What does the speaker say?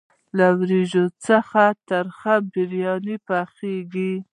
له وریجو څخه ترخه بریاني پخیږي.